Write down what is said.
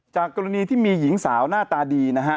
กรณีที่มีหญิงสาวหน้าตาดีนะฮะ